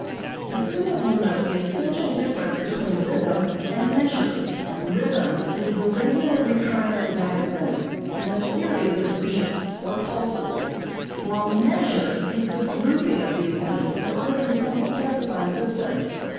The student will note the essential difference between rhythm and measure. Rhythm is the regular recurrence of accent in a series of beats (or pulses), while measure is the grouping of these beats according to some specified system.